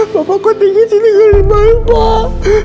bapak kok tinggi sih tinggalin baru pak